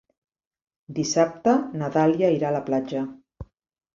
Dissabte na Dàlia irà a la platja.